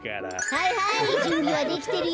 はいはいじゅんびはできてるよ。